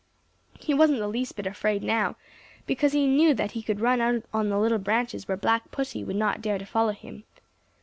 He wasn't the least bit afraid now, because he knew that he could run out on the little branches where Black Pussy would not dare to follow him.